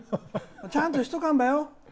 ちゃんとしとかんばよ。